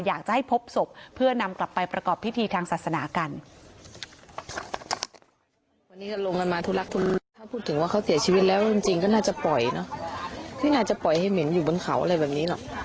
อยากจะให้พบศพเพื่อนำกลับไปประกอบพิธีทางศาสนากัน